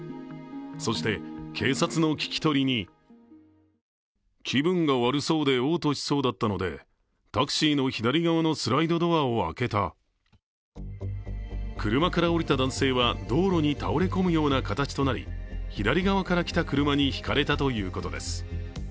そして、警察の聞き取りに車から降りた男性は、道路に倒れ込むような形となり左側から来た車にひかれたということです。